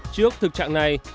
trước thực trạng này